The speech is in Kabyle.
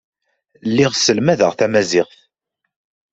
Lliɣ sselmadeɣ tamaziɣt.